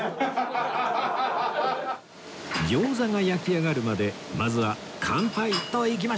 餃子が焼き上がるまでまずは乾杯といきましょう